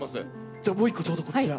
じゃあもう一個ちょうどこちら。